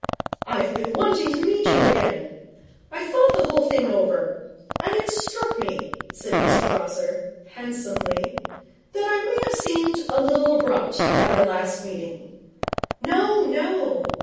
'I've been wanting to meet you again. I thought the whole thing over, and it struck me,' said Mr Prosser, handsomely, 'that I may have seemed a little abrupt at our last meeting.' 'No, no.'